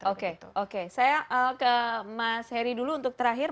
oke oke saya ke mas heri dulu untuk terakhir